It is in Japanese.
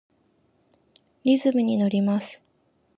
リズムにのります。